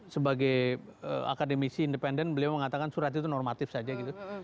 sebagai akademisi independen beliau mengatakan surat itu normatif saja gitu